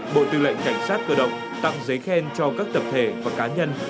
bộ tư lệnh cảnh sát cơ động tặng giấy khen cho các tập thể và cá nhân